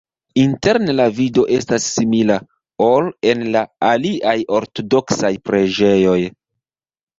Interne la vido estas simila, ol en la aliaj ortodoksaj preĝejoj.